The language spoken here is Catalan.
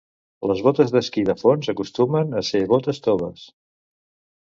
Les botes d'esquí de fons acostumen a ser botes toves.